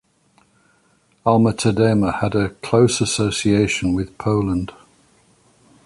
Alma Tadema had a close association with Poland.